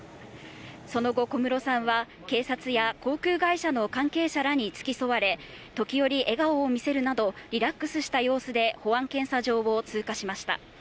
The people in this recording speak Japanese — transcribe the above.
その後、小室さんは警察や航空会社の関係者らにつき添われ、時折笑顔を見せるなどリラックスした様子で保安検査場を通過しました。